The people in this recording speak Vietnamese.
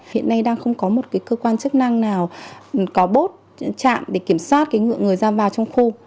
hiện nay đang không có một cơ quan chức năng nào có bốt trạm để kiểm soát người ra vào trong khu